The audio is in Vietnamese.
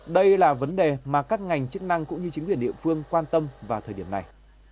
đây là vấn đề mà các ngành chức năng cũng như chính quyền địa phương quan tâm vào thời điểm này